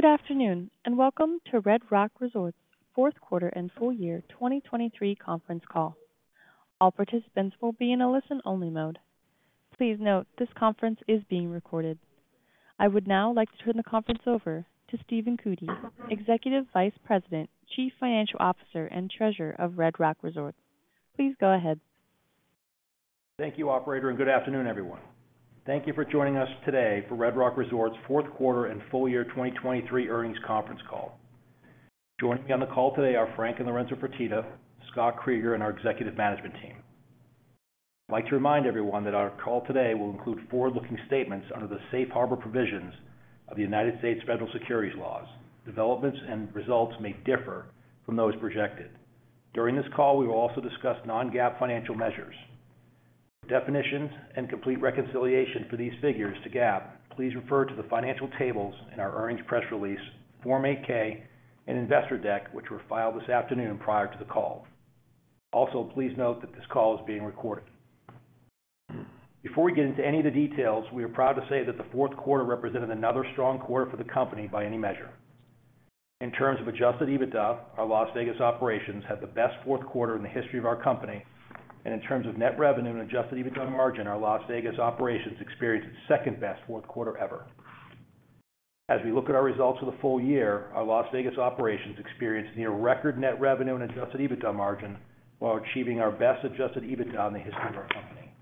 Good afternoon, and welcome to Red Rock Resorts' Fourth Quarter and Full Year 2023 Conference Call. All participants will be in a listen-only mode. Please note that this conference is being recorded. I would now like to turn the conference over to Stephen Cootey, Executive Vice President, Chief Financial Officer, and Treasurer of Red Rock Resorts. Please go ahead. Thank you, operator, and good afternoon, everyone. Thank you for joining us today for Red Rock Resorts' Fourth Quarter and Full Year 2023 Earnings Conference Call. Joining me on the call today are Frank and Lorenzo Fertitta, Scott Kreeger, and our executive management team. I'd like to remind everyone that our call today will include forward-looking statements under the safe harbor provisions of the United States federal securities laws. Developments and results may differ from those projected. During this call, we will also discuss non-GAAP financial measures. For definitions and complete reconciliation for these figures to GAAP, please refer to the financial tables in our earnings press release, Form 8-K and investor deck, which were filed this afternoon prior to the call. Also, please note that this call is being recorded. Before we get into any of the details, we are proud to say that the fourth quarter represented another strong quarter for the company by any measure. In terms of adjusted EBITDA, our Las Vegas operations had the best fourth quarter in the history of our company, and in terms of net revenue and adjusted EBITDA margin, our Las Vegas operations experienced its second-best fourth quarter ever. As we look at our results for the full year, our Las Vegas operations experienced near record net revenue and adjusted EBITDA margin, while achieving our best adjusted EBITDA in the history of our company.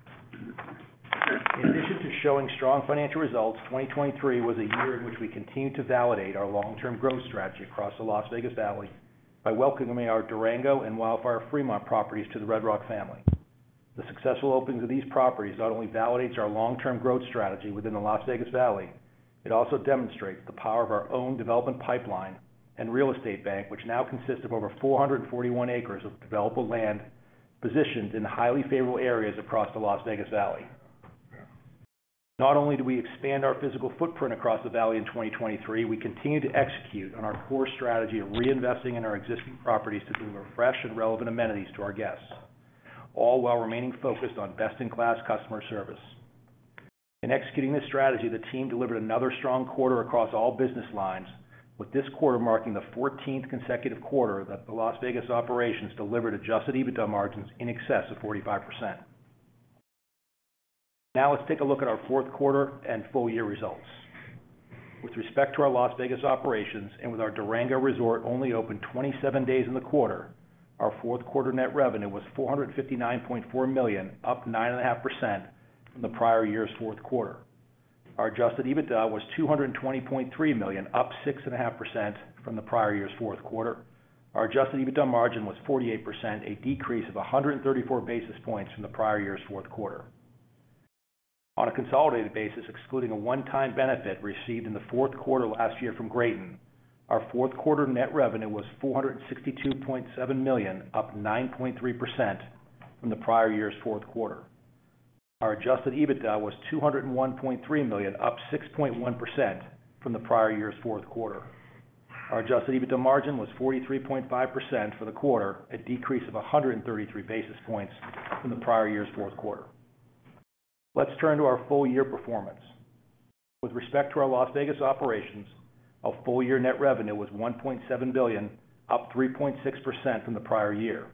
In addition to showing strong financial results, 2023 was a year in which we continued to validate our long-term growth strategy across the Las Vegas Valley by welcoming our Durango and Wildfire Fremont properties to the Red Rock family. The successful openings of these properties not only validates our long-term growth strategy within the Las Vegas Valley, it also demonstrates the power of our own development pipeline and real estate bank, which now consists of over 441 acres of developable land, positioned in highly favorable areas across the Las Vegas Valley. Not only do we expand our physical footprint across the valley in 2023, we continue to execute on our core strategy of reinvesting in our existing properties to deliver fresh and relevant amenities to our guests, all while remaining focused on best-in-class customer service. In executing this strategy, the team delivered another strong quarter across all business lines, with this quarter marking the 14th consecutive quarter that the Las Vegas operations delivered adjusted EBITDA margins in excess of 45%. Now, let's take a look at our fourth quarter and full-year results. With respect to our Las Vegas operations, and with our Durango Resort only open 27 days in the quarter, our fourth quarter net revenue was $459.4 million, up 9.5% from the prior year's fourth quarter. Our adjusted EBITDA was $220.3 million, up 6.5% from the prior year's fourth quarter. Our adjusted EBITDA margin was 48%, a decrease of 134 basis points from the prior year's fourth quarter. On a consolidated basis, excluding a one-time benefit received in the fourth quarter last year from Graton, our fourth quarter net revenue was $462.7 million, up 9.3% from the prior year's fourth quarter. Our adjusted EBITDA was $201.3 million, up 6.1% from the prior year's fourth quarter. Our adjusted EBITDA margin was 43.5% for the quarter, a decrease of 133 basis points from the prior year's fourth quarter. Let's turn to our full year performance. With respect to our Las Vegas operations, our full year net revenue was $1.7 billion, up 3.6% from the prior year.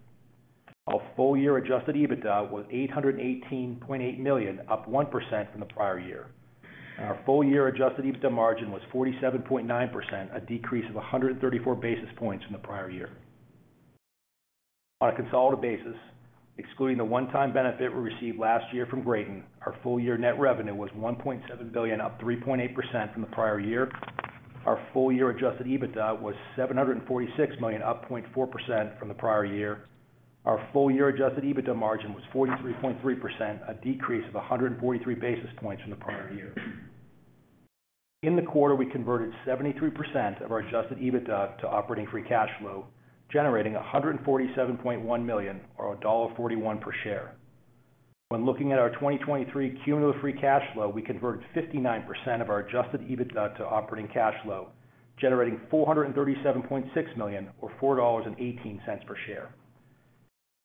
Our full year adjusted EBITDA was $818.8 million, up 1% from the prior year. Our full year adjusted EBITDA margin was 47.9%, a decrease of 134 basis points from the prior year. On a consolidated basis, excluding the one-time benefit we received last year from Graton, our full year net revenue was $1.7 billion, up 3.8% from the prior year. Our full year adjusted EBITDA was $746 million, up 0.4% from the prior year. Our full year adjusted EBITDA margin was 43.3%, a decrease of 143 basis points from the prior year. In the quarter, we converted 73% of our adjusted EBITDA to operating free cash flow, generating $147.1 million, or $1.41 per share. When looking at our 2023 cumulative free cash flow, we converted 59% of our adjusted EBITDA to operating cash flow, generating $437.6 million or $4.18 per share.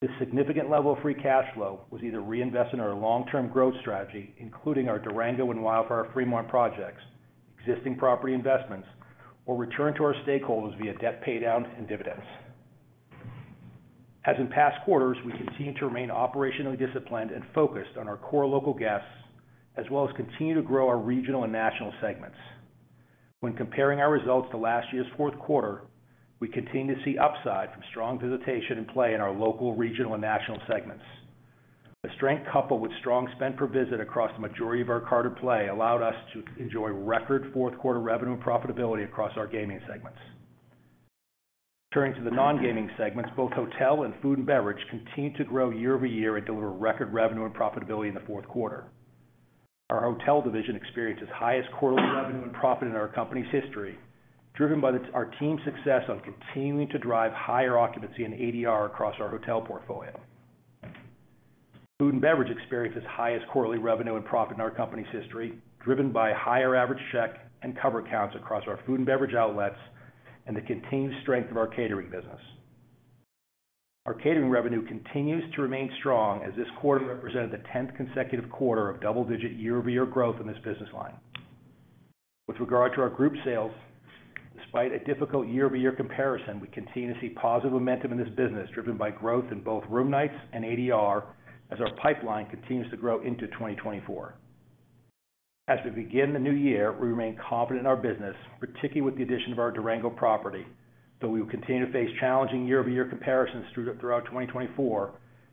This significant level of free cash flow was either reinvested in our long-term growth strategy, including our Durango and Wildfire Fremont projects, existing property investments, or returned to our stakeholders via debt paydown and dividends. As in past quarters, we continue to remain operationally disciplined and focused on our core local guests, as well as continue to grow our regional and national segments. When comparing our results to last year's fourth quarter, we continue to see upside from strong visitation and play in our local, regional, and national segments. The strength, coupled with strong spend per visit across the majority of our carded play, allowed us to enjoy record fourth quarter revenue and profitability across our gaming segments. Turning to the non-gaming segments, both hotel and food and beverage continued to grow year-over-year and deliver record revenue and profitability in the fourth quarter. Our hotel division experienced its highest quarterly revenue and profit in our company's history, driven by our team's success on continuing to drive higher occupancy and ADR across our hotel portfolio. Food and beverage experienced its highest quarterly revenue and profit in our company's history, driven by higher average check and cover counts across our food and beverage outlets and the continued strength of our catering business. Our catering revenue continues to remain strong, as this quarter represented the tenth consecutive quarter of double-digit year-over-year growth in this business line. With regard to our group sales, despite a difficult year-over-year comparison, we continue to see positive momentum in this business, driven by growth in both room nights and ADR, as our pipeline continues to grow into 2024. As we begin the new year, we remain confident in our business, particularly with the addition of our Durango property, though we will continue to face challenging year-over-year comparisons throughout 2024,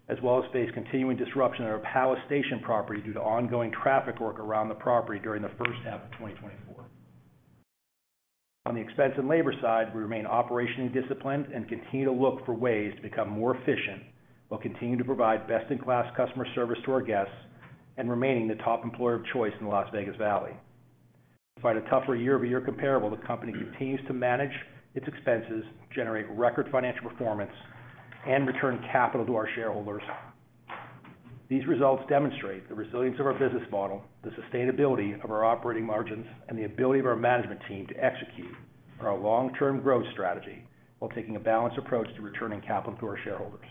as well as face continuing disruption at our Palace Station property due to ongoing traffic work around the property during the first half of 2024. On the expense and labor side, we remain operationally disciplined and continue to look for ways to become more efficient, while continuing to provide best-in-class customer service to our guests and remaining the top employer of choice in the Las Vegas Valley. Despite a tougher year-over-year comparable, the company continues to manage its expenses, generate record financial performance, and return capital to our shareholders. These results demonstrate the resilience of our business model, the sustainability of our operating margins, and the ability of our management team to execute on our long-term growth strategy, while taking a balanced approach to returning capital to our shareholders.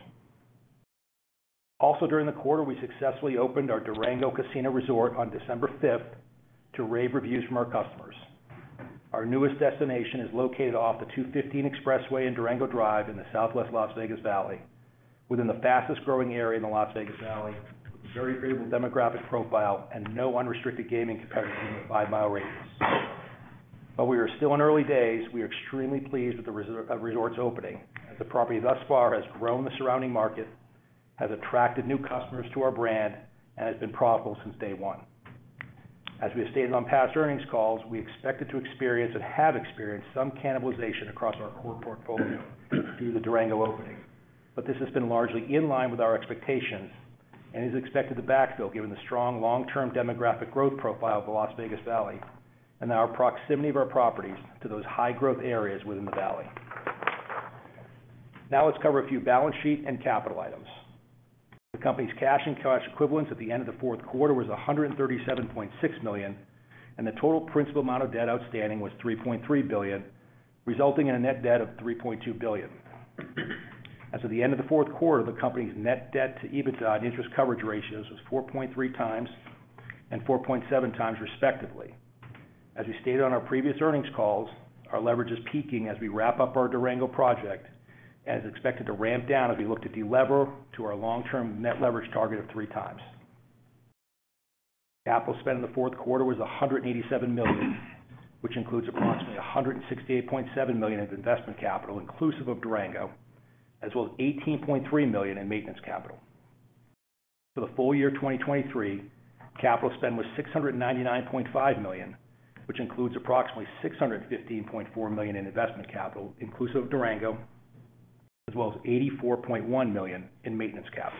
Also, during the quarter, we successfully opened our Durango Casino Resort on December 5th, to rave reviews from our customers. Our newest destination is located off the 215 Expressway in Durango Drive in the southwest Las Vegas Valley, within the fastest-growing area in the Las Vegas Valley, with a very favorable demographic profile and no unrestricted gaming competitors in a 5-mile radius. While we are still in early days, we are extremely pleased with the resort's opening, as the property thus far has grown the surrounding market, has attracted new customers to our brand, and has been profitable since day one. As we have stated on past earnings calls, we expected to experience and have experienced some cannibalization across our core portfolio through the Durango opening, but this has been largely in line with our expectations and is expected to backfill, given the strong long-term demographic growth profile of the Las Vegas Valley and our proximity of our properties to those high-growth areas within the valley. Now let's cover a few balance sheet and capital items. The company's cash and cash equivalents at the end of the fourth quarter was $137.6 million, and the total principal amount of debt outstanding was $3.3 billion, resulting in a net debt of $3.2 billion. As of the end of the fourth quarter, the company's net debt to EBITDA and interest coverage ratios was 4.3x and 4.7x, respectively. As we stated on our previous earnings calls, our leverage is peaking as we wrap up our Durango project and is expected to ramp down as we look to delever to our long-term net leverage target of 3x. Capital spend in the fourth quarter was $187 million, which includes approximately $168.7 million in investment capital, inclusive of Durango, as well as $18.3 million in maintenance capital. For the full year 2023, capital spend was $699.5 million, which includes approximately $615.4 million in investment capital, inclusive of Durango, as well as $84.1 million in maintenance capital.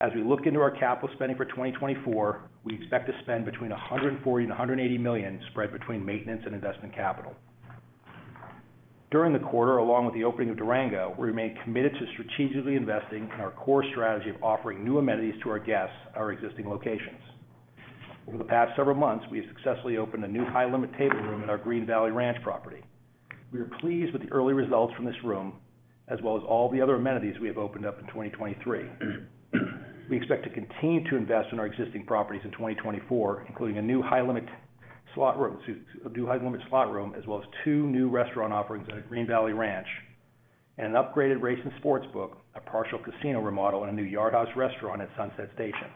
As we look into our capital spending for 2024, we expect to spend between $140 million and $180 million, spread between maintenance and investment capital. During the quarter, along with the opening of Durango, we remain committed to strategically investing in our core strategy of offering new amenities to our guests at our existing locations. Over the past several months, we have successfully opened a new high-limit table room at our Green Valley Ranch property. We are pleased with the early results from this room, as well as all the other amenities we have opened up in 2023. We expect to continue to invest in our existing properties in 2024, including a new high-limit slot room, as well as two new restaurant offerings at our Green Valley Ranch, and an upgraded race and sports book, a partial casino remodel, and a new Yard House restaurant at Sunset Station.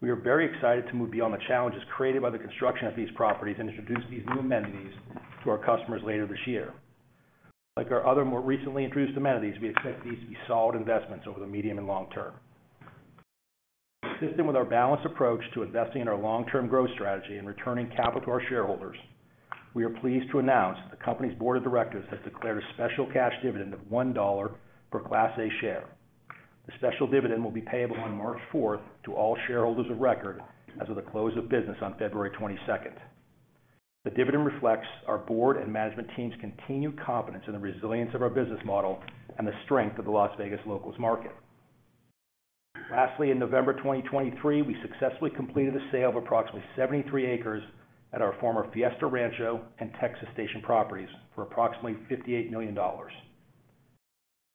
We are very excited to move beyond the challenges created by the construction of these properties and introduce these new amenities to our customers later this year. Like our other more recently introduced amenities, we expect these to be solid investments over the medium and long term. Consistent with our balanced approach to investing in our long-term growth strategy and returning capital to our shareholders, we are pleased to announce that the company's board of directors has declared a special cash dividend of $1 per Class A share. The special dividend will be payable on March 4 to all shareholders of record as of the close of business on February 22. The dividend reflects our board and management team's continued confidence in the resilience of our business model and the strength of the Las Vegas locals market. Lastly, in November 2023, we successfully completed the sale of approximately 73 acres at our former Fiesta Rancho and Texas Station properties for approximately $58 million.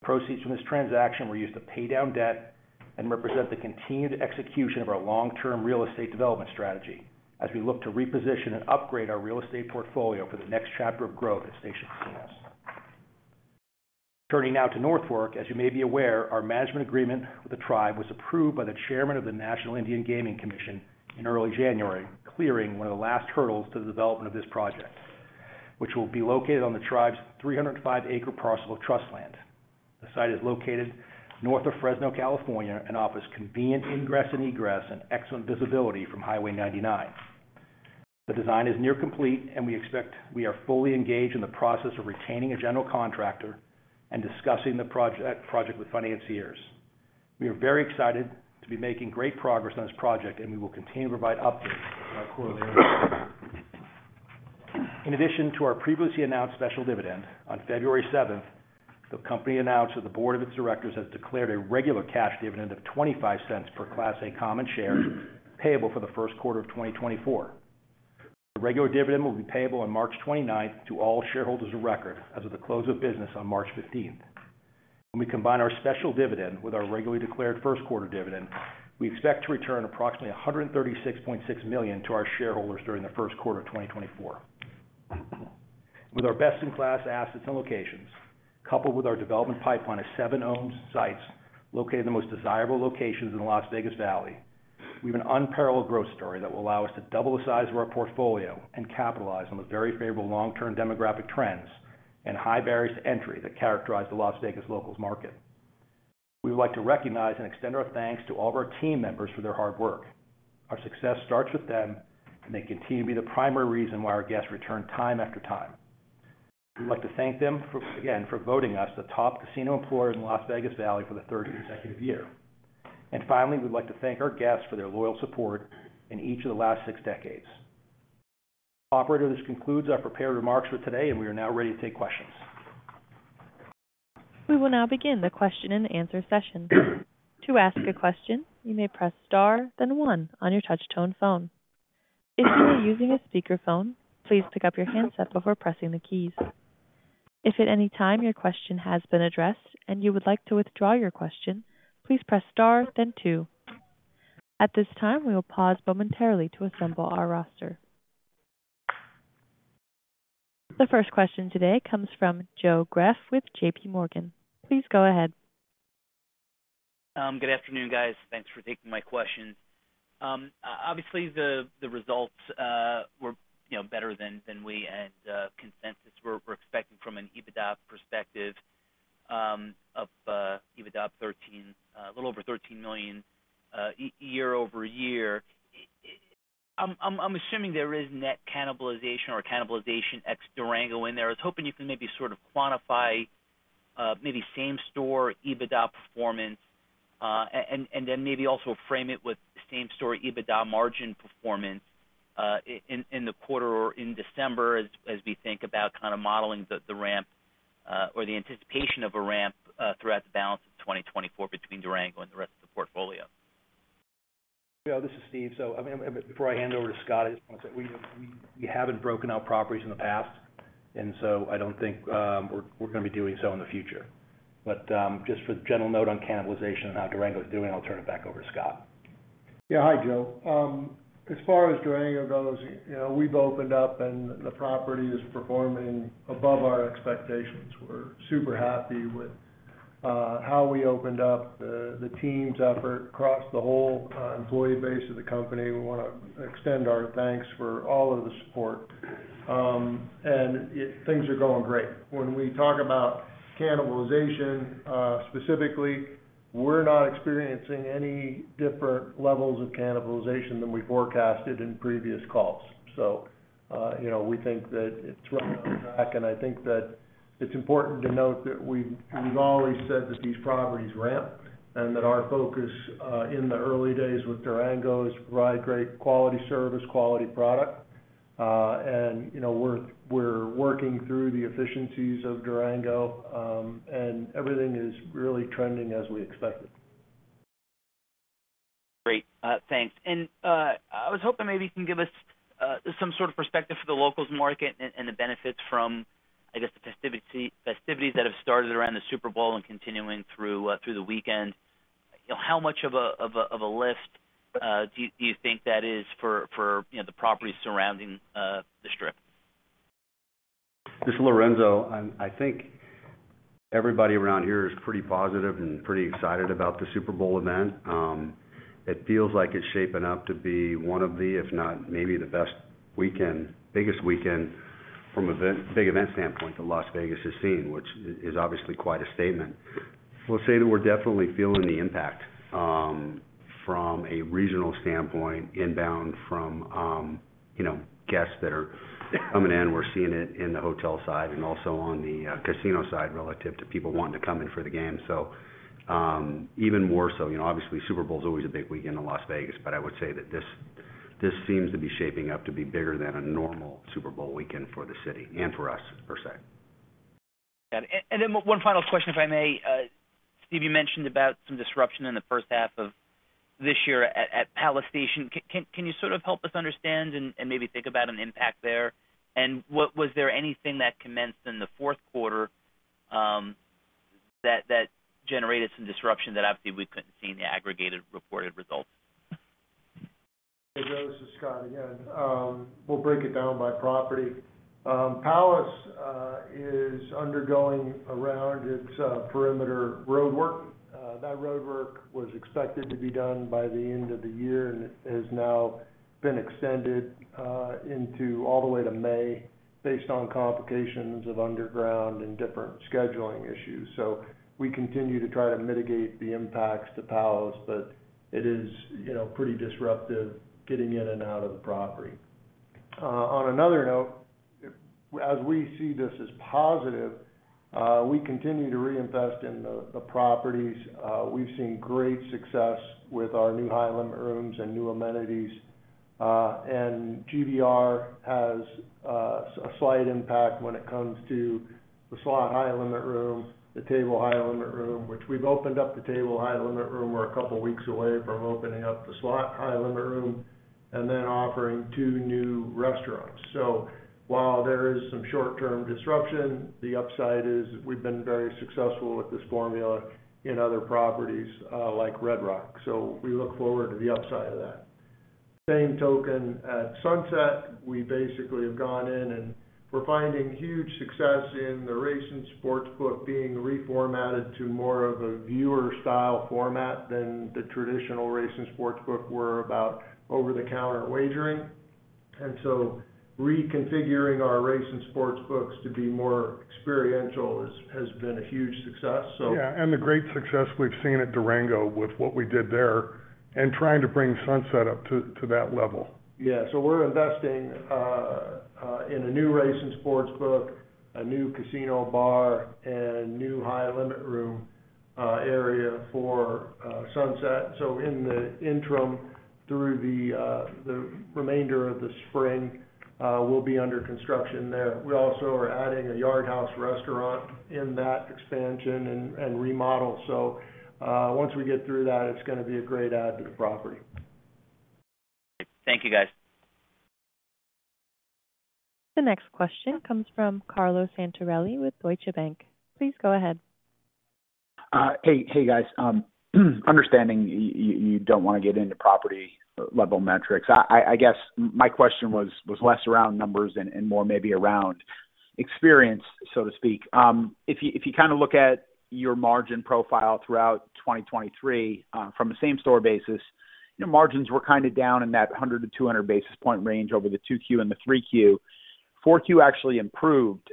Proceeds from this transaction were used to pay down debt and represent the continued execution of our long-term real estate development strategy, as we look to reposition and upgrade our real estate portfolio for the next chapter of growth at Station Casinos. Turning now to North Fork, as you may be aware, our management agreement with the tribe was approved by the chairman of the National Indian Gaming Commission in early January, clearing one of the last hurdles to the development of this project, which will be located on the tribe's 305-acre parcel of trust land. The site is located north of Fresno, California, and offers convenient ingress and egress and excellent visibility from Highway 99. The design is near complete, and we expect, we are fully engaged in the process of retaining a general contractor and discussing the project with financiers. We are very excited to be making great progress on this project, and we will continue to provide updates on our quarterly earnings. In addition to our previously announced special dividend, on February 7, the company announced that the board of its directors has declared a regular cash dividend of $0.25 per Class A common share, payable for the first quarter of 2024. The regular dividend will be payable on March 29 to all shareholders of record as of the close of business on March 15. When we combine our special dividend with our regularly declared first quarter dividend, we expect to return approximately $136.6 million to our shareholders during the first quarter of 2024. With our best-in-class assets and locations, coupled with our development pipeline of seven owned sites located in the most desirable locations in the Las Vegas Valley, we have an unparalleled growth story that will allow us to double the size of our portfolio and capitalize on the very favorable long-term demographic trends and high barriers to entry that characterize the Las Vegas locals market. We would like to recognize and extend our thanks to all of our team members for their hard work. Our success starts with them, and they continue to be the primary reason why our guests return time after time. We'd like to thank them for, again, for voting us the top casino employer in the Las Vegas Valley for the third consecutive year. Finally, we'd like to thank our guests for their loyal support in each of the last six decades. Operator, this concludes our prepared remarks for today, and we are now ready to take questions. We will now begin the question-and-answer session. To ask a question, you may press star, then one on your touch-tone phone. If you are using a speakerphone, please pick up your handset before pressing the keys. If at any time your question has been addressed and you would like to withdraw your question, please press star then two. At this time, we will pause momentarily to assemble our roster. The first question today comes from Joe Greff with JPMorgan. Please go ahead. Good afternoon, guys. Thanks for taking my question. Obviously, the results were, you know, better than we and consensus were expecting from an EBITDA perspective, of EBITDA 13, a little over $13 million year-over-year. I'm assuming there is net cannibalization or cannibalization ex Durango in there. I was hoping you can maybe sort of quantify maybe same-store EBITDA performance, and then maybe also frame it with same-store EBITDA margin performance, in the quarter or in December as we think about kind of modeling the ramp, or the anticipation of a ramp, throughout the balance of 2024 between Durango and the rest of the portfolio. Joe, this is Steve. So, I mean, before I hand over to Scott, I just want to say, we haven't broken out properties in the past, and so I don't think we're going to be doing so in the future. But, just for the general note on cannibalization and how Durango is doing, I'll turn it back over to Scott. Yeah. Hi, Joe. As far as Durango goes, you know, we've opened up and the property is performing above our expectations. We're super happy with how we opened up, the team's effort across the whole employee base of the company. We want to extend our thanks for all of the support. Things are going great. When we talk about cannibalization, specifically, we're not experiencing any different levels of cannibalization than we forecasted in previous calls. So, you know, we think that it's right on track, and I think that it's important to note that we've always said that these properties ramp and that our focus in the early days with Durango is provide great quality service, quality product. You know, we're working through the efficiencies of Durango, and everything is really trending as we expected. Great. Thanks. And I was hoping maybe you can give us some sort of perspective for the locals market and the benefits from, I guess, the festivities that have started around the Super Bowl and continuing through the weekend. How much of a lift do you think that is for, you know, the properties surrounding the Strip? This is Lorenzo. I think everybody around here is pretty positive and pretty excited about the Super Bowl event. It feels like it's shaping up to be one of the, if not maybe the best weekend, biggest weekend from big event standpoint that Las Vegas has seen, which is obviously quite a statement. We'll say that we're definitely feeling the impact from a regional standpoint, inbound from you know, guests that are coming in. We're seeing it in the hotel side and also on the casino side, relative to people wanting to come in for the game. So, even more so, you know, obviously, Super Bowl is always a big weekend in Las Vegas, but I would say that this, this seems to be shaping up to be bigger than a normal Super Bowl weekend for the city and for us, per se. Got it. And then one final question, if I may. Steve, you mentioned about some disruption in the first half of this year at Palace Station. Can you sort of help us understand and maybe think about an impact there? And what was there anything that commenced in the fourth quarter that generated some disruption that obviously we couldn't see in the aggregated reported results? Hey, Joe, this is Scott again. We'll break it down by property. Palace is undergoing around its perimeter roadwork. That roadwork was expected to be done by the end of the year and has now been extended into all the way to May, based on complications of underground and different scheduling issues. So we continue to try to mitigate the impacts to Palace, but it is, you know, pretty disruptive getting in and out of the property. On another note, as we see this as positive, we continue to reinvest in the properties. We've seen great success with our new high-limit rooms and new amenities. And GVR has a slight impact when it comes to the slot high-limit room, the table high-limit room, which we've opened up the table high-limit room. We're a couple of weeks away from opening up the slot high-limit room and then offering two new restaurants. So while there is some short-term disruption, the upside is we've been very successful with this formula in other properties, like Red Rock, so we look forward to the upside of that. Same token, at Sunset, we basically have gone in, and we're finding huge success in the race and sports book being reformatted to more of a viewer-style format than the traditional race and sports book were about over-the-counter wagering. And so reconfiguring our race and sports books to be more experiential has been a huge success. Yeah, and the great success we've seen at Durango with what we did there, and trying to bring Sunset up to, to that level. Yeah. So we're investing in a new race and sports book, a new casino bar, and new high-limit room area for Sunset. So in the interim, through the remainder of the spring, we'll be under construction there. We also are adding a Yard House restaurant in that expansion and remodel. So once we get through that, it's gonna be a great add to the property. Thank you, guys. The next question comes from Carlo Santarelli with Deutsche Bank. Please go ahead. Hey, hey, guys. Understanding you don't wanna get into property level metrics, I guess my question was less around numbers and more maybe around experience, so to speak. If you kinda look at your margin profile throughout 2023, from a same-store basis, your margins were kinda down in that 100-200 basis point range over the 2Q and the 3Q. 4Q actually improved,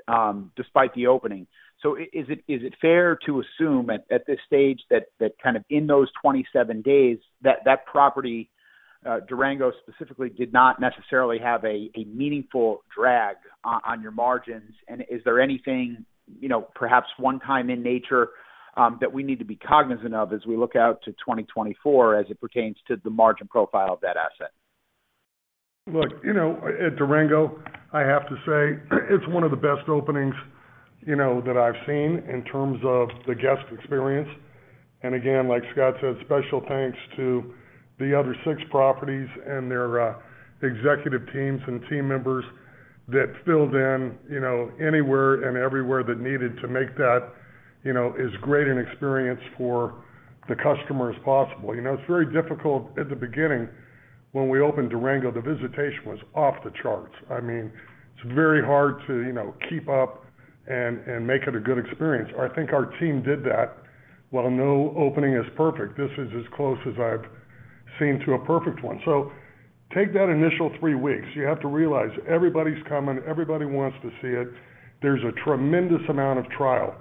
despite the opening. So is it fair to assume at this stage, that kind of in those 27 days, that property, Durango specifically, did not necessarily have a meaningful drag on your margins? Is there anything, you know, perhaps one time in nature, that we need to be cognizant of as we look out to 2024, as it pertains to the margin profile of that asset? Look, you know, at Durango, I have to say, it's one of the best openings, you know, that I've seen in terms of the guest experience. And again, like Scott said, special thanks to the other six properties and their executive teams and team members that filled in, you know, anywhere and everywhere that needed to make that, you know, as great an experience for the customer as possible. You know, it's very difficult at the beginning. When we opened Durango, the visitation was off the charts. I mean, it's very hard to, you know, keep up and make it a good experience. I think our team did that. While no opening is perfect, this is as close as I've seen to a perfect one. So take that initial three weeks. You have to realize, everybody's coming, everybody wants to see it. There's a tremendous amount of trial.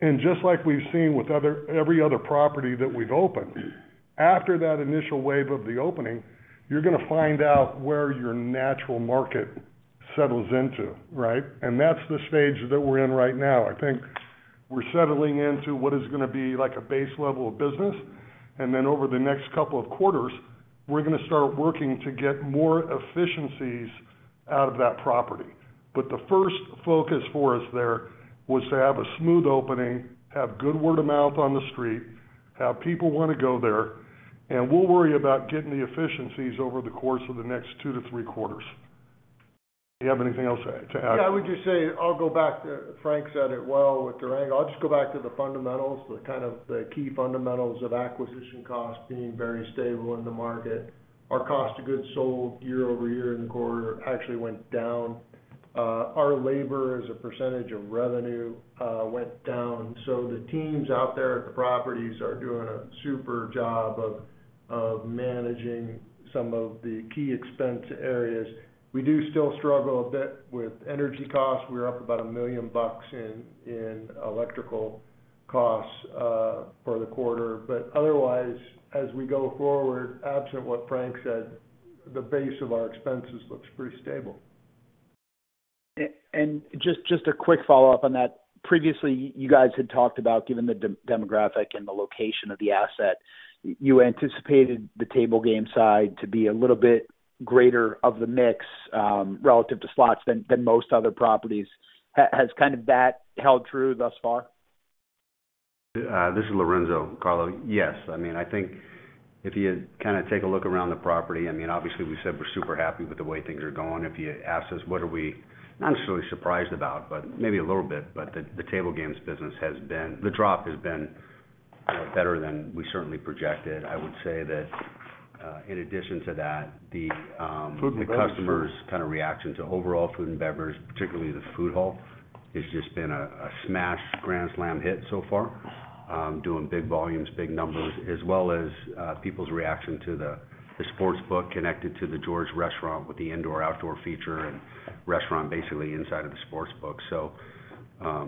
Just like we've seen with other, every other property that we've opened, after that initial wave of the opening, you're gonna find out where your natural market settles into, right? That's the stage that we're in right now. I think we're settling into what is gonna be like a base level of business, and then over the next couple of quarters, we're gonna start working to get more efficiencies out of that property. But the first focus for us there was to have a smooth opening, have good word of mouth on the street, have people wanna go there, and we'll worry about getting the efficiencies over the course of the next 2-3 quarters. Do you have anything else to add? Yeah, I would just say, I'll go back to what Frank said it well with Durango. I'll just go back to the fundamentals, the kind of, the key fundamentals of acquisition costs being very stable in the market. Our cost of goods sold year-over-year in the quarter actually went down. Our labor, as a percentage of revenue, went down. So the teams out there at the properties are doing a super job of, of managing some of the key expense areas. We do still struggle a bit with energy costs. We're up about $1 million in, in electrical costs, for the quarter. But otherwise, as we go forward, absent what Frank said, the base of our expenses looks pretty stable. And just a quick follow-up on that. Previously, you guys had talked about, given the demographic and the location of the asset, you anticipated the table game side to be a little bit greater of the mix relative to slots than most other properties. Has that held true thus far? This is Lorenzo, Carlo. Yes. I mean, I think if you kind of take a look around the property, I mean, obviously, we said we're super happy with the way things are going. If you ask us, what are we, not necessarily surprised about, but maybe a little bit, but the table games business has been—the drop has been better than we certainly projected. I would say that in addition to that, the customer's kind of reaction to overall food and beverages, particularly the food hall, has just been a smash grand slam hit so far. Doing big volumes, big numbers, as well as people's reaction to the sports book connected to the George restaurant, with the indoor-outdoor feature and restaurant basically inside of the sports book. So,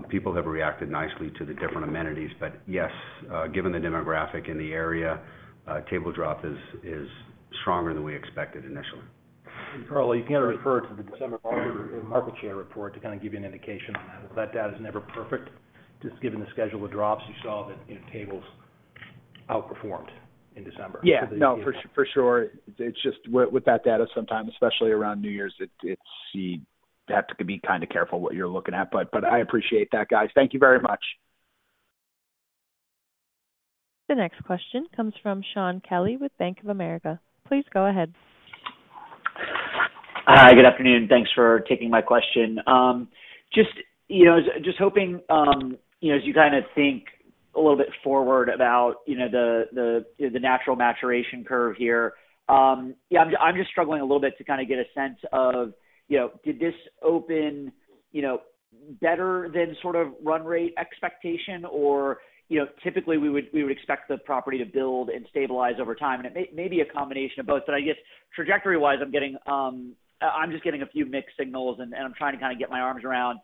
people have reacted nicely to the different amenities. But yes, given the demographic in the area, table drop is stronger than we expected initially. Carlo, you can refer to the December market share report to kind of give you an indication on that. That data is never perfect, just given the schedule of drops you saw that, in tables, outperformed in December. Yeah. No, for sure. It's just with that data, sometimes, especially around New Year's, you have to be kind of careful what you're looking at, but I appreciate that, guys. Thank you very much. The next question comes from Shaun Kelly with Bank of America. Please go ahead. Hi, good afternoon. Thanks for taking my question. Just, you know, just hoping, you know, as you kind of think a little bit forward about, you know, the natural maturation curve here, yeah, I'm just struggling a little bit to kind of get a sense of, you know, did this open, you know, better than sort of run rate expectation? Or, you know, typically, we would expect the property to build and stabilize over time, and it may be a combination of both. But I guess trajectory-wise, I'm getting, I'm just getting a few mixed signals, and I'm trying to kind of get my arms around.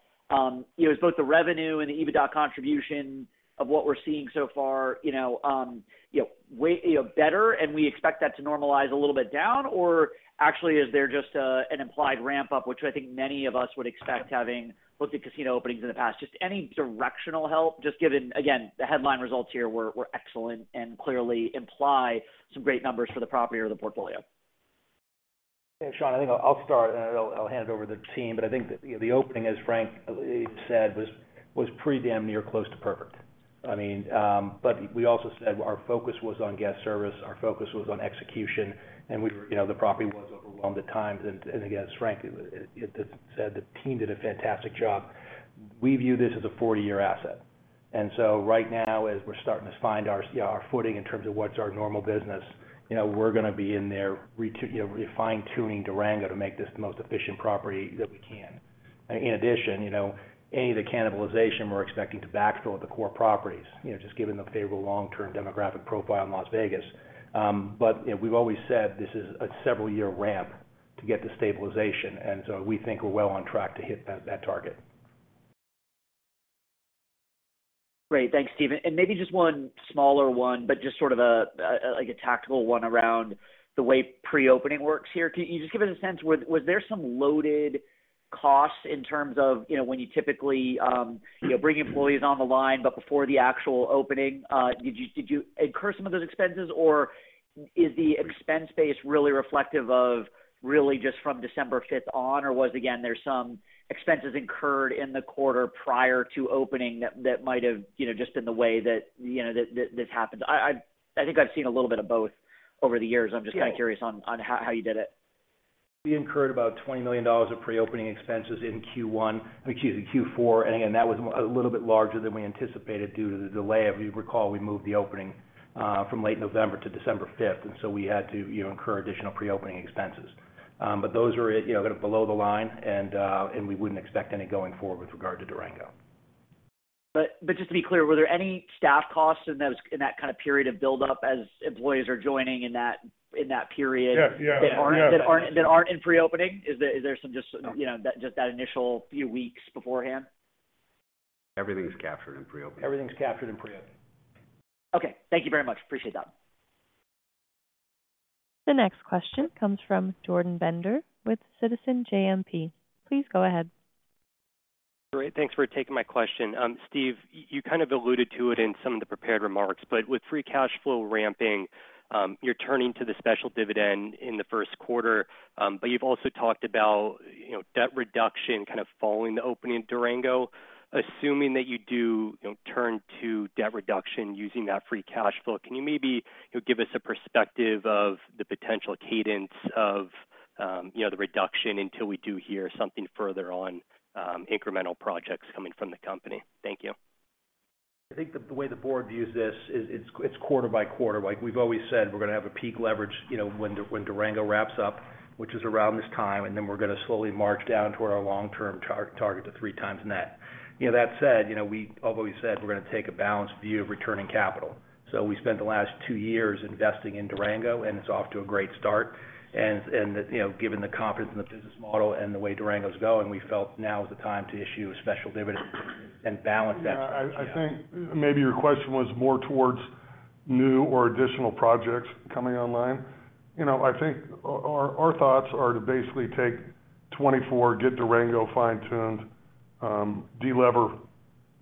Is both the revenue and the EBITDA contribution of what we're seeing so far way better, and we expect that to normalize a little bit down? Or actually, is there just a, an implied ramp-up, which I think many of us would expect, having looked at casino openings in the past? Just any directional help, just given, again, the headline results here were, were excellent and clearly imply some great numbers for the property or the portfolio. Shaun, I'll start, and I'll hand it over to the team. But I think the opening, as Frank said, was pretty damn near close to perfect. I mean, but we also said our focus was on guest service, our focus was on execution, and we were, you know, the property was overwhelmed at times. And again, as Frank said, the team did a fantastic job. We view this as a 40-year asset. And so right now, as we're starting to find our footing in terms of what's our normal business, you know, we're going to be in there re- you know, fine-tuning Durango to make this the most efficient property that we can. In addition, you know, any of the cannibalization we're expecting to backfill at the core properties, you know, just given the favorable long-term demographic profile in Las Vegas. But we've always said this is a several-year ramp to get to stabilization, and so we think we're well on track to hit that, that target. Great. Thanks, Steve. And maybe just one smaller one, but just sort of a like a tactical one around the way pre-opening works here. Can you just give us a sense, was there some loaded costs in terms of when you typically bring employees on the line, but before the actual opening? Did you incur some of those expenses, or is the expense base really reflective of really just from December 5th on? Or was there's some expenses incurred in the quarter prior to opening that might have just in the way that that this happens? I think I've seen a little bit of both over the years. I'm just kind of curious on how you did it. We incurred about $20 million of pre-opening expenses in Q1, excuse me, Q4, and again, that was a little bit larger than we anticipated due to the delay. If you recall, we moved the opening from late November to December 5th, and so we had to incur additional pre-opening expenses. But those were, you know, below the line, and we wouldn't expect any going forward with regard to Durango. But just to be clear, were there any staff costs in those, in that kind of period of build-up as employees are joining in that, in that period that aren't in pre-opening? Is there some, you know, just that initial few weeks beforehand? Everything is captured in pre-opening. Okay, thank you very much. Appreciate that. The next question comes from Jordan Bender with Citizens JMP. Please go ahead. Great. Thanks for taking my question. Steve, you kind of alluded to it in some of the prepared remarks, but with free cash flow ramping, you're turning to the special dividend in the first quarter. But you've also talked about debt reduction following the opening in Durango. Assuming that you do turn to debt reduction using that free cash flow, can you maybe give us a perspective of the potential cadence of the reduction until we do hear something further on, incremental projects coming from the company? Thank you. I think the way the board views this is, it's quarter-by-quarter. Like we've always said, we're going to have a peak leverage, you know, when Durango wraps up, which is around this time, and then we're going to slowly march down toward our long-term target to 3x net. That said we've always said, we're going to take a balanced view of returning capital. So we spent the last two years investing in Durango, and it's off to a great start. Given the confidence in the business model and the way Durango is going, we felt now is the time to issue a special dividend and balance that. Yeah. I think maybe your question was more towards new or additional projects coming online. You know, I think our, our thoughts are to basically take 2024, get Durango fine-tuned, de-lever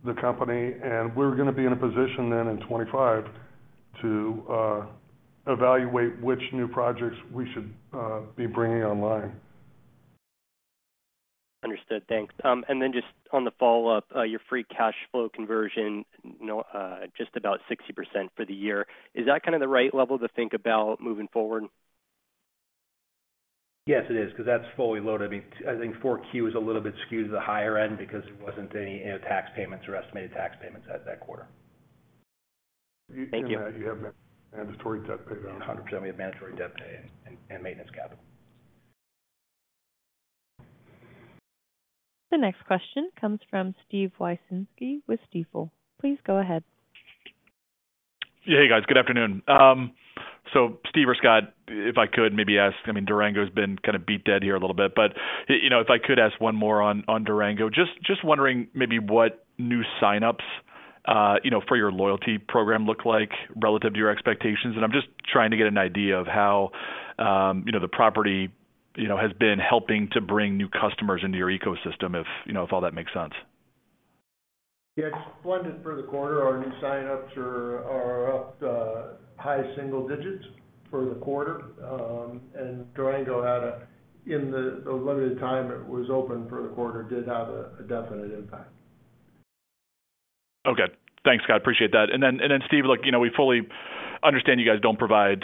the company, and we're going to be in a position then in 2025 to evaluate which new projects we should be bringing online. Understood. Thanks. And then just on the follow-up, your free cash flow conversion just about 60% for the year. Is that kind of the right level to think about moving forward? Yes, it is, because that's fully loaded. I mean, I think 4Q is a little bit skewed to the higher end because there wasn't any, you know, tax payments or estimated tax payments at that quarter. Thank you. We have mandatory debt paid and maintenance capital. The next question comes from Steve Wieczynski with Stifel. Please go ahead. Yeah. Hey, guys, good afternoon. So Steve or Scott, if I could maybe ask, I mean, Durango's been kind of beat dead here a little bit, but, you know, if I could ask one more on Durango. Just wondering maybe what new signups, you know, for your loyalty program look like relative to your expectations. And I'm just trying to get an idea of how, you know, the property, you know, has been helping to bring new customers into your ecosystem, if, you know, if all that makes sense. Yeah, just for the quarter, our new signups are up high single digits for the quarter. And Durango had a, in the limited time it was open for the quarter, did have a definite impact. Okay. Thanks, Scott, appreciate that. And then, Steve, look, you know, we fully understand you guys don't provide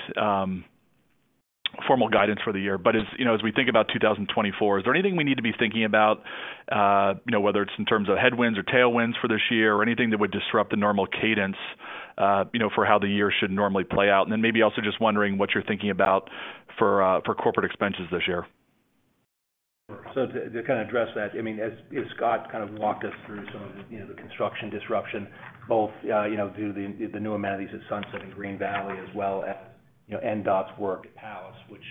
formal guidance for the year, but as, you know, as we think about 2024, is there anything we need to be thinking about, you know, whether it's in terms of headwinds or tailwinds for this year or anything that would disrupt the normal cadence, you know, for how the year should normally play out? And then maybe also just wondering what you're thinking about for for corporate expenses this year. So to kind of address that, I mean, as Scott kind of walked us through some of the, you know, the construction disruption, both, you know, due to the new amenities at Sunset and Green Valley as well as, you know, NDOT's work at Palace, which,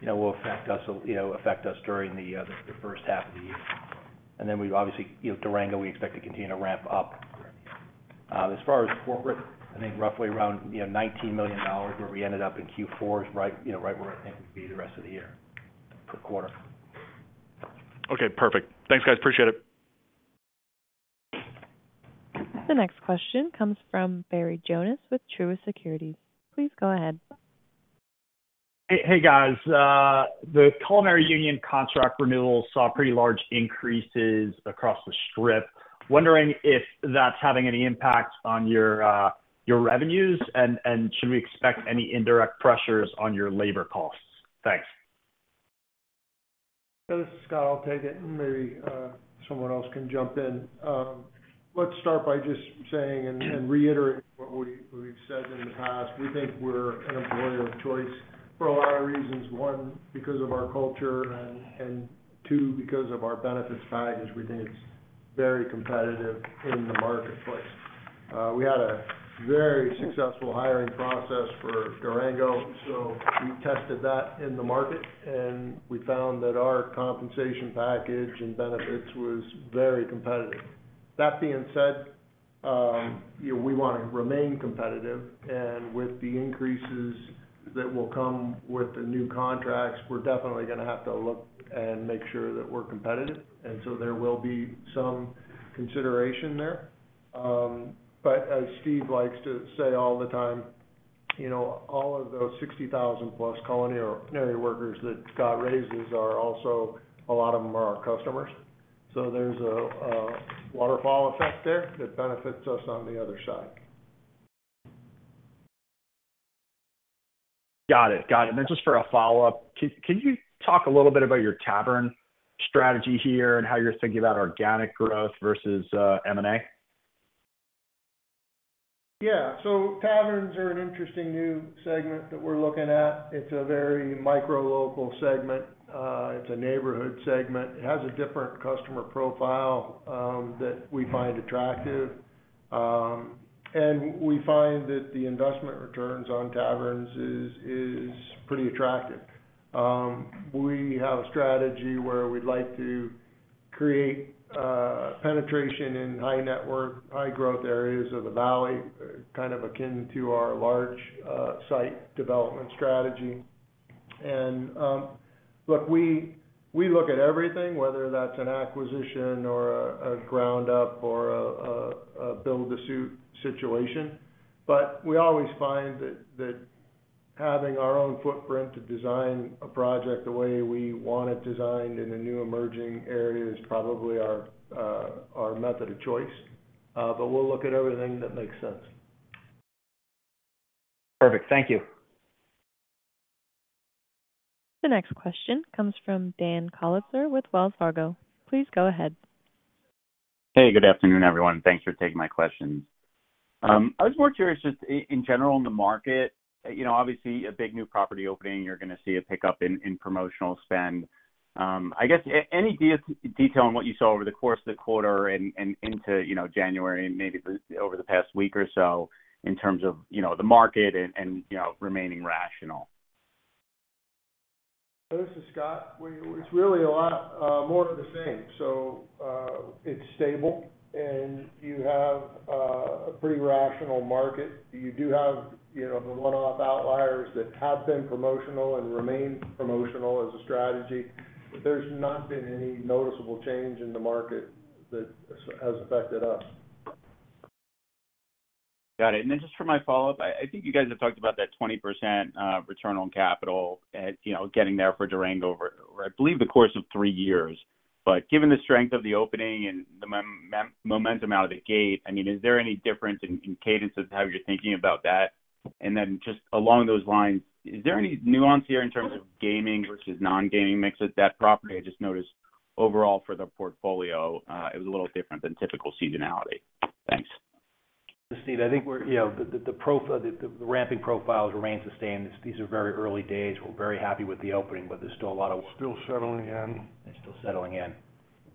you know, will affect us during the first half of the year. And then we obviously, you know, Durango, we expect to continue to ramp up. As far as corporate, I think roughly around, you know, $19 million, where we ended up in Q4, is right, you know, right where I think we'll be the rest of the year, per quarter. Okay, perfect. Thanks, guys. Appreciate it. The next question comes from Barry Jonas with Truist Securities. Please go ahead. Hey, hey, guys. The Culinary Union contract renewal saw pretty large increases across the Strip. Wondering if that's having any impact on your, your revenues, and should we expect any indirect pressures on your labor costs? Thanks. This is Scott. I'll take it, and maybe someone else can jump in. Let's start by just saying and reiterating what we've said in the past. We think we're an employer of choice for a lot of reasons. One, because of our culture, and two, because of our benefits package. We think it's very competitive in the marketplace. We had a very successful hiring process for Durango, so we tested that in the market, and we found that our compensation package and benefits was very competitive. That being said, you know, we want to remain competitive, and with the increases that will come with the new contracts, we're definitely gonna have to look and make sure that we're competitive. And so there will be some consideration there. But as Steve likes to say all the time, you know, all of those 60,000+ culinary workers that Scott raises are also, a lot of them are our customers. So there's a waterfall effect there that benefits us on the other side. Got it. Got it. Then just for a follow-up, can you talk a little bit about your tavern strategy here and how you're thinking about organic growth versus M&A? Yeah. So taverns are an interesting new segment that we're looking at. It's a very micro-local segment. It's a neighborhood segment. It has a different customer profile that we find attractive. And we find that the investment returns on taverns is pretty attractive. We have a strategy where we'd like to create penetration in high network, high growth areas of the valley, kind of akin to our large site development strategy. And look, we look at everything, whether that's an acquisition or a ground up or a build-to-suit situation, but we always find that having our own footprint to design a project the way we want it designed in a new emerging area is probably our method of choice. But we'll look at everything that makes sense. Perfect. Thank you. The next question comes from Dan Politzer with Wells Fargo. Please go ahead. Hey, good afternoon, everyone. Thanks for taking my questions. I was more curious just in general in the market, you know, obviously, a big new property opening, you're gonna see a pickup in promotional spend. I guess any detail on what you saw over the course of the quarter and into, you know, January and maybe over the past week or so in terms of, you know, the market and remaining rational? This is Scott. It's really a lot more of the same. So, it's stable, and you have a pretty rational market. You do have, you know, the one-off outliers that have been promotional and remain promotional as a strategy, but there's not been any noticeable change in the market that has affected us. Got it. And then just for my follow-up, I think you guys have talked about that 20% return on capital and, you know, getting there for Durango over, I believe, the course of 3 years. But given the strength of the opening and the momentum out of the gate, I mean, is there any difference in cadence of how you're thinking about that? And then just along those lines, is there any nuance here in terms of gaming versus non-gaming mix at that property? I just noticed overall for the portfolio, it was a little different than typical seasonality. Thanks. Steve, I think we're, you know, the ramping profile remains the same. These are very early days. We're very happy with the opening, but there's still a lot of- Still settling in. It's still settling in.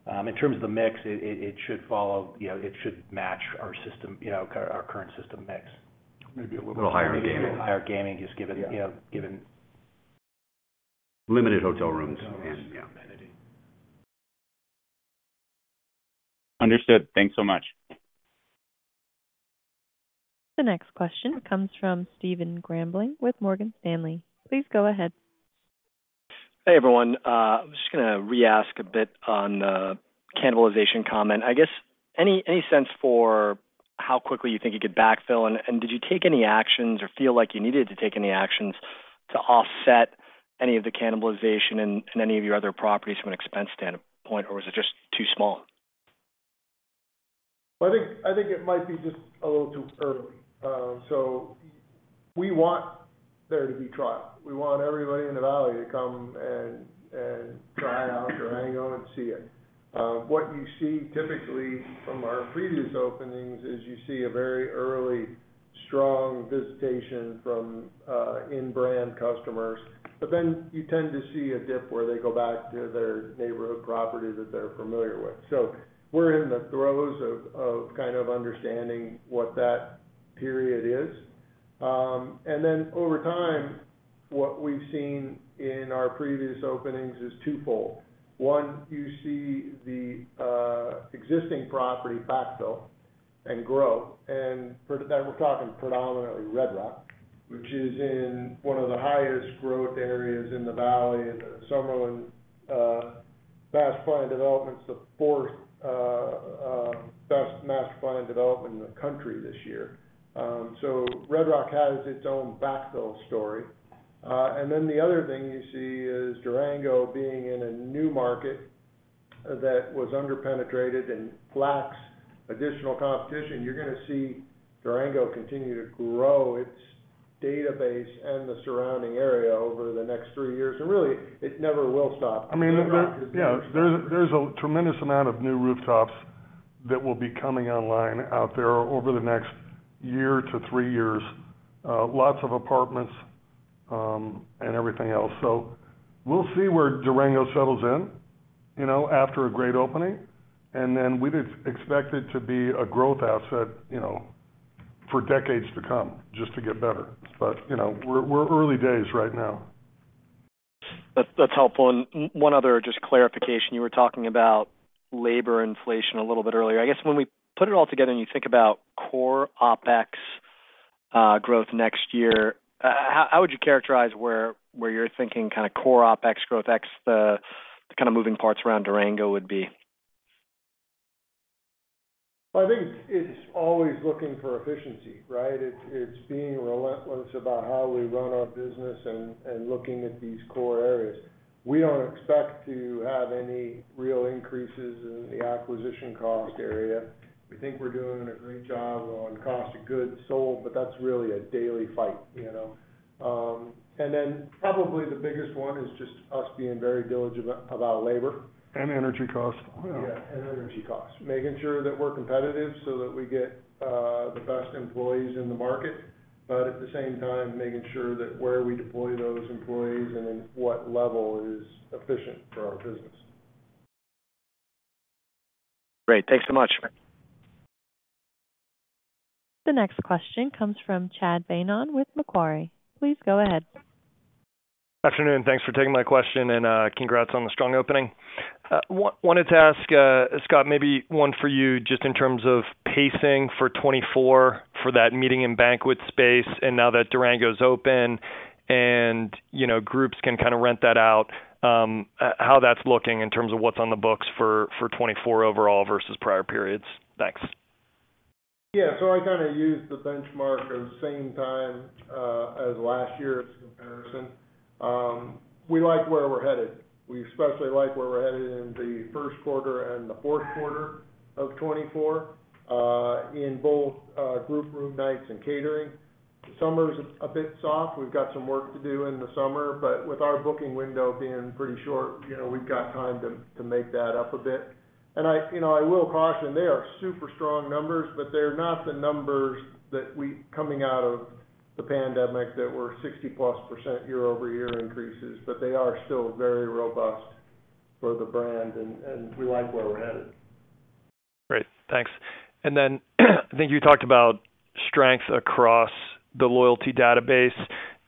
In terms of the mix, it should follow, you know, it should match our system, you know, our current system mix little higher in gaming. Understood. Thanks so much. The next question comes from Stephen Grambling with Morgan Stanley. Please go ahead. Hey, everyone. I'm just gonna re-ask a bit on the cannibalization comment. I guess, any, any sense for how quickly you think you could backfill? And, and did you take any actions or feel like you needed to take any actions to offset any of the cannibalization in, in any of your other properties from an expense standpoint, or was it just too small? I think, I think it might be just a little too early. So we want there to be trial. We want everybody in the valley to come and try out Durango and see it. What you see typically from our previous openings is you see a very early, strong visitation from in-brand customers, but then you tend to see a dip where they go back to their neighborhood property that they're familiar with. So we're in the throes of kind of understanding what that period is. And then over time, what we've seen in our previous openings is twofold. One, you see the existing property backfill and grow, and for now we're talking predominantly Red Rock, which is in one of the highest growth areas in the valley, and Summerlin master planned development is the fourth best master planned development in the country this year. So Red Rock has its own backfill story. And then the other thing you see is Durango being in a new market that was underpenetrated and lacks additional competition. You're gonna see Durango continue to grow its database and the surrounding area over the next three years, and really, it never will stop. I mean, there, yeah, there's a tremendous amount of new rooftops that will be coming online out there over the next year to 3 years. Lots of apartments and everything else. So we'll see where Durango settles in, you know, after a great opening, and then we'd expect it to be a growth asset, you know, for decades to come, just to get better. But, you know, we're early days right now. That's helpful. And one other just clarification, you were talking about labor inflation a little bit earlier. I guess when we put it all together and you think about core OpEx growth next year, how would you characterize where you're thinking kind of core OpEx growth ex the kind of moving parts around Durango would be? I think it's always looking for efficiency, right? It's, it's being relentless about how we run our business and, and looking at these core areas. We don't expect to have any real increases in the acquisition cost area. We think we're doing a great job on cost of goods sold, but that's really a daily fight, you know? And then probably the biggest one is just us being very diligent about labor. Energy costs. Yeah, and energy costs. Making sure that we're competitive so that we get the best employees in the market, but at the same time, making sure that where we deploy those employees and in what level is efficient for our business. Great. Thanks so much. The next question comes from Chad Beynon with Macquarie. Please go ahead. Afternoon, thanks for taking my question, and, congrats on the strong opening. Wanted to ask, Scott, maybe one for you, just in terms of pacing for 2024, for that meeting and banquet space, and now that Durango is open and, you know, groups can kind of rent that out, how that's looking in terms of what's on the books for, for 2024 overall versus prior periods? Thanks. Yeah, so I kind of used the benchmark of the same time as last year as a comparison. We like where we're headed. We especially like where we're headed in the first quarter and the fourth quarter of 2024, in both group room nights and catering. Summer's a bit soft. We've got some work to do in the summer, but with our booking window being pretty short, you know, we've got time to make that up a bit. I, you know, I will caution, they are super strong numbers, but they're not the numbers that we, coming out of the pandemic, that were 60+% year-over-year increases, but they are still very robust for the brand, and we like where we're headed. Great, thanks. And then, I think you talked about strength across the loyalty database.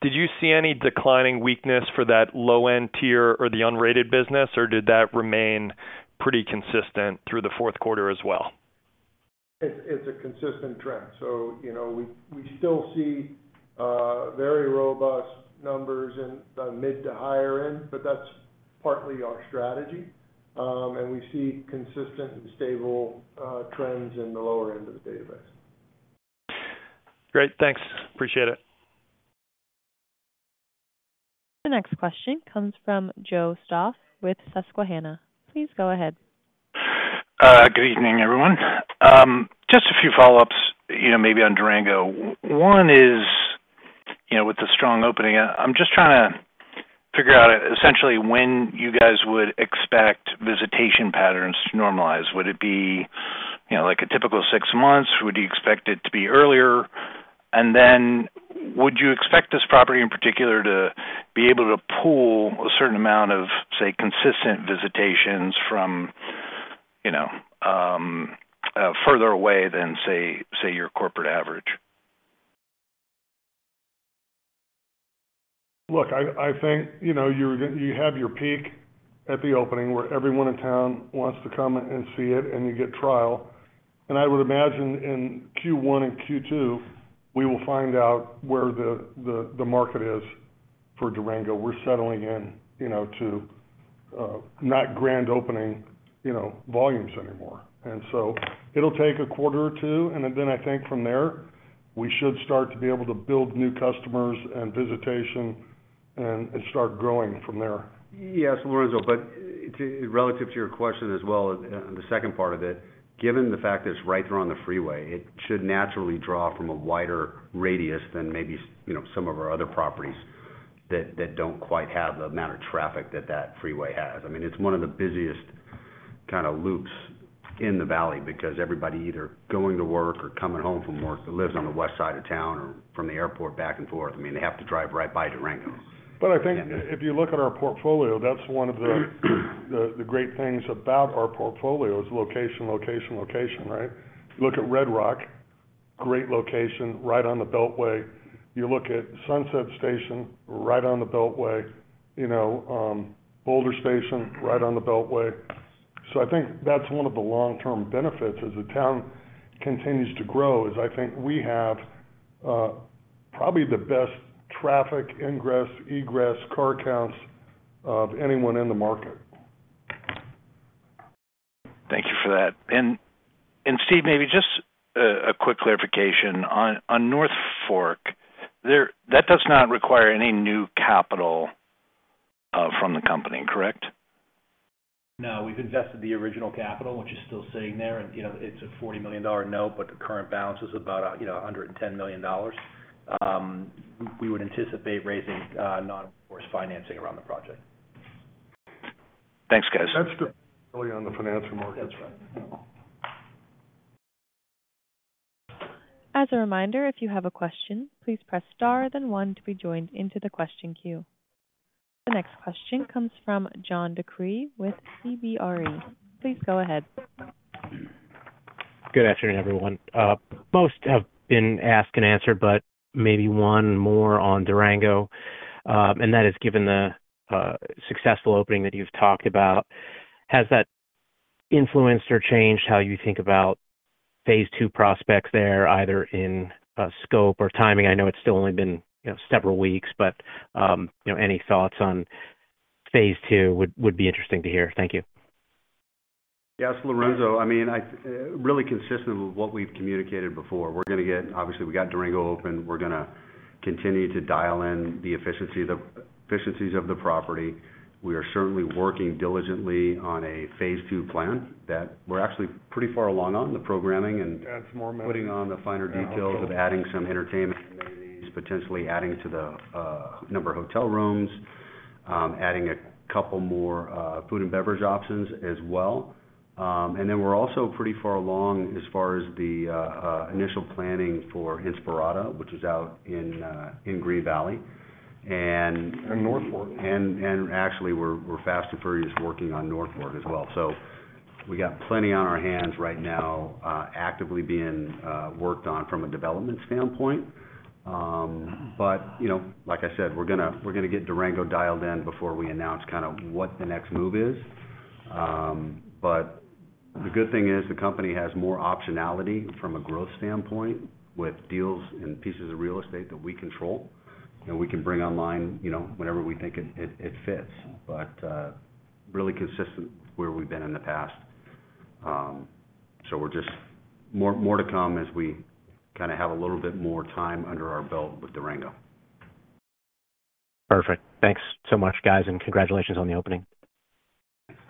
Did you see any declining weakness for that low-end tier or the unrated business, or did that remain pretty consistent through the fourth quarter as well? It's a consistent trend. So, you know, we still see very robust numbers in the mid to higher end, but that's partly our strategy. And we see consistent and stable trends in the lower end of the database. Great, thanks. Appreciate it. The next question comes from Joe Stauff with Susquehanna. Please go ahead. Good evening, everyone. Just a few follow-ups, you know, maybe on Durango. One is, you know, with the strong opening, I'm just trying to figure out essentially when you guys would expect visitation patterns to normalize. Would it be, you know, like a typical six months? Would you expect it to be earlier? And then, would you expect this property, in particular, to be able to pull a certain amount of, say, consistent visitations from, you know, further away than, say, your corporate average? Look, I think, you know, you have your peak at the opening, where everyone in town wants to come and see it, and you get trial. And I would imagine in Q1 and Q2, we will find out where the market is for Durango. We're settling in, you know, to not grand opening, you know, volumes anymore. And so it'll take a quarter or two, and then I think from there, we should start to be able to build new customers and visitation and start growing from there. Yes, Lorenzo, but to, relative to your question as well, and the second part of it, given the fact that it's right there on the freeway, it should naturally draw from a wider radius than maybe, you know, some of our other properties that don't quite have the amount of traffic that that freeway has. I mean, it's one of the busiest kind of loops in the valley because everybody either going to work or coming home from work, that lives on the west side of town or from the airport back and forth, I mean, they have to drive right by Durango. But I think if you look at our portfolio, that's one of the great things about our portfolio is location, location, location, right? Look at Red Rock, great location, right on the Beltway. You look at Sunset Station, right on the Beltway. You know, Boulder Station, right on the Beltway. So I think that's one of the long-term benefits as the town continues to grow, is I think we have probably the best traffic, ingress, egress, car counts of anyone in the market. Thank you for that. Steve, maybe just a quick clarification. On North Fork, that does not require any new capital from the company, correct? No, we've invested the original capital, which is still sitting there, and, you know, it's a $40 million note, but the current balance is about, you know, $110 million. We would anticipate raising non-interest financing around the project. Thanks, guys. That's depending on the financial markets. That's right. As a reminder, if you have a question, please press Star, then one to be joined into the question queue. The next question comes from John DeCree with CBRE. Please go ahead. Good afternoon, everyone. Most have been asked and answered, but maybe one more on Durango. And that is, given the successful opening that you've talked about, has that influenced or changed how you think about phase II prospects there, either in scope or timing? I know it's still only been, you know, several weeks, but you know, any thoughts on phase II would be interesting to hear. Thank you. Yes, Lorenzo, I really consistent with what we've communicated before. We're gonna get, obviously, we got Durango open. We're gonna continue to dial in the efficiency of the efficiencies of the property. We are certainly working diligently on a phase II plan that we're actually pretty far along on the programming and add more putting on the finer details of adding some entertainment, potentially adding to the number of hotel rooms, adding a couple more food and beverage options as well. And then we're also pretty far along as far as the initial planning for Inspirada, which is out in in Green Valley and in North Fork. Actually, we're fast and furious working on North Fork as well. So we got plenty on our hands right now, actively being worked on from a development standpoint. But, you know, like I said, we're gonna get Durango dialed in before we announce kind of what the next move is. But the good thing is, the company has more optionality from a growth standpoint with deals and pieces of real estate that we control, and we can bring online, you know, whenever we think it fits. But, really consistent with where we've been in the past. So we're just more to come as we kinda have a little bit more time under our belt with Durango. Perfect. Thanks so much, guys, and congratulations on the opening.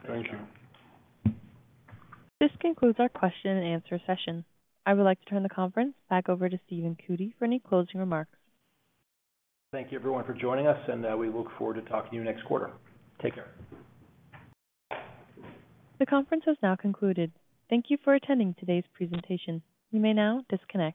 Thank you. This concludes our question and answer session. I would like to turn the conference back over to Stephen Cootey for any closing remarks. Thank you, everyone, for joining us, and we look forward to talking to you next quarter. Take care. The conference has now concluded. Thank you for attending today's presentation. You may now disconnect.